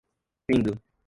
findo